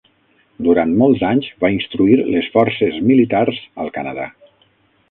Durant molts anys va instruir les forces militars al Canadà.